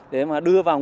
để mà đưa ra tri đoàn